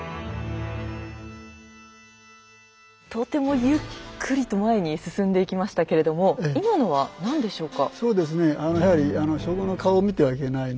とてもゆっくりと前に進んでいきましたけれども今のは何でしょうか？